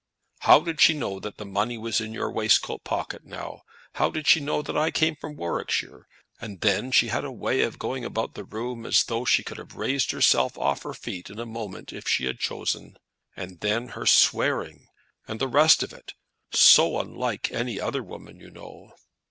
"How did she know that the money was in your waistcoat pocket, now? How did she know that I came from Warwickshire? And then she had a way of going about the room as though she could have raised herself off her feet in a moment if she had chosen. And then her swearing, and the rest of it, so unlike any other woman, you know."